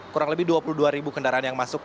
kurang lebih dua puluh dua ribu kendaraan yang masuk